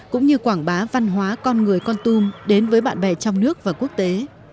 cũng như quảng bá văn hóa con người con tum đến với bạn bè trong nước và quốc tế